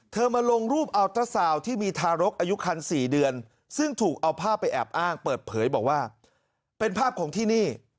มาลงรูปอัลตราซาวน์ที่มีทารกอายุคัน๔เดือนซึ่งถูกเอาภาพไปแอบอ้างเปิดเผยบอกว่าเป็นภาพของที่นี่